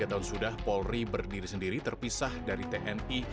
tiga tahun sudah polri berdiri sendiri terpisah dari tni